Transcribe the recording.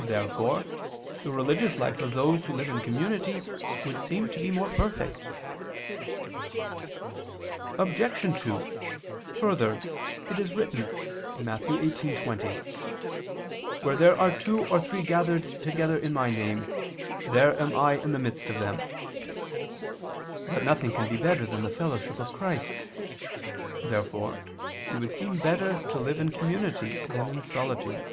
Therefore the religious life of those who live in community would seem to be more perfect. Obj. 2: Further, it is written (Matt. 18:20): "Where there are two or three gathered together in My name, there am I in the midst of them." But nothing can be better than the fellowship of Christ. Therefore it would seem better to live in community than in solitude.